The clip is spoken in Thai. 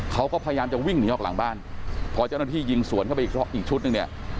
เขาก็พยายามจะวิ่งหนีออกหลังบ้านพอเจ้าหน้าที่ยิงสวนเข้าไปอีกชุดหนึ่งเนี่ย